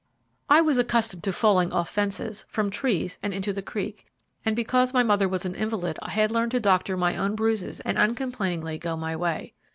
I was accustomed to falling off fences, from trees, and into the creek, and because my mother was an invalid I had learned to doctor my own bruises and uncomplainingly go my way.